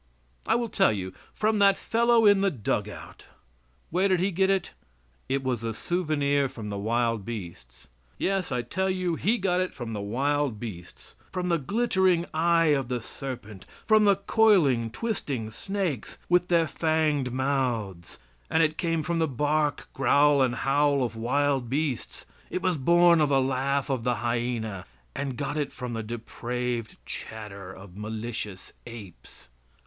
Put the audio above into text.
I will tell you; from that fellow in the dug out. Where did he get it? It was a souvenir from the wild beasts. Yes, I tell you he got it from the wild beasts, from the glittering eye of the serpent, from the coiling, twisting snakes with their fangs mouths; and it came from the bark, growl and howl of wild beasts; it was born of a laugh of the hyena and got it from the depraved chatter of malicious apes.